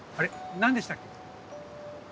何でしたっけ？